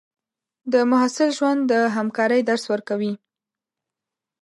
د محصل ژوند د همکارۍ درس ورکوي.